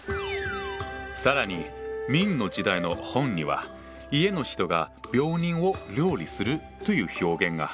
更に明の時代の本には「家の人が病人を料理する」という表現が。